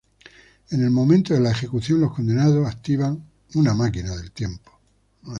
En el momento de la ejecución, los condenados activan una máquina del tiempo.